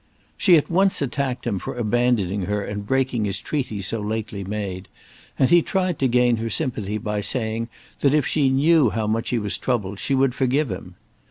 She at once attacked him for abandoning her and breaking his treaty so lately made, and he tried to gain her sympathy by saying that if she knew how much he was troubled, she would forgive him.